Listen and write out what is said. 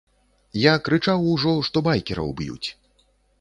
Я крычаў ужо, што байкераў б'юць.